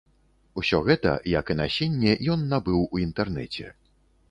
Усё гэта, як і насенне ён набыў у інтэрнэце.